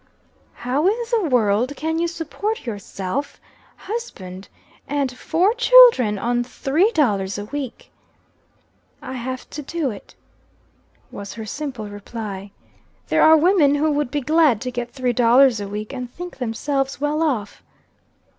"How in the world can you support yourself, husband, and four children on three dollars a week?" "I have to do it," was her simple reply. "There are women who would be glad to get three dollars a week, and think themselves well off."